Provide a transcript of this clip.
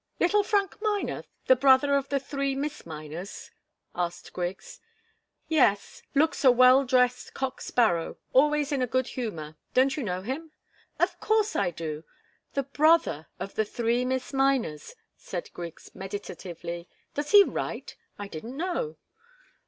"Little Frank Miner the brother of the three Miss Miners?" asked Griggs. "Yes looks a well dressed cock sparrow always in a good humour don't you know him?" "Of course I do the brother of the three Miss Miners," said Griggs, meditatively. "Does he write? I didn't know."